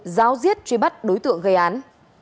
giáo giết truy bắt đối tượng gây án